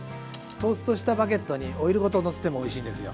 トーストしたバゲットにオイルごとのせてもおいしいんですよ。